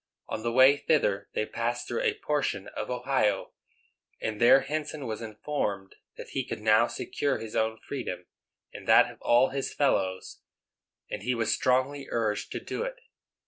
On the way thither they passed through a portion of Ohio, and there Henson was informed that he could now secure his own freedom and that of all his fellows, and he was strongly urged to do it.